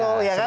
ya kan gitu